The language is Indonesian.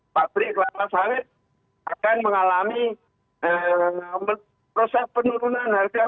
pabrik kelapa sawit akan mengalami proses penurunan harga